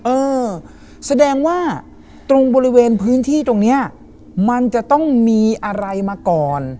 เออแสดงว่าตรงบริเวณพื้นที่ตรงนี้มันจะต้องมีอะไรมาก่อน